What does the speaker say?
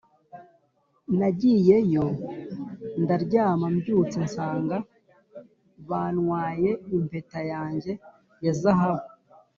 Nagiyeyo ndaryama mbyutse nsanga banwaye impeta yanjye ya zahabu